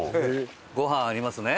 ご飯ありますね。